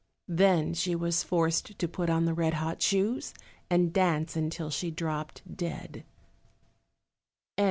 Then she was forced to put on the red hot shoes, and dance until she dropped down dead.